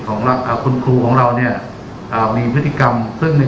ของคุณครูของเราเนี่ยอ่ามีพฤติกรรมซึ่งหนึ่ง